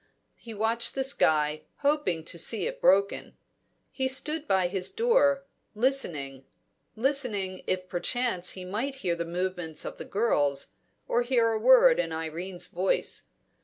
He watched the sky, hoping to see it broken. He stood by his door, listening, listening if perchance he might hear the movements of the girls, or hear a word in Irene's voice.